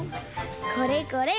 これこれ！